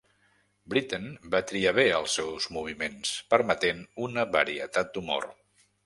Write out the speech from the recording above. Britten va triar bé els seus moviments, permetent una varietat d'humor.